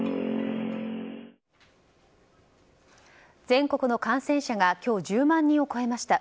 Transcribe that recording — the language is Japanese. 全国の感染者が今日１０万人を超えました。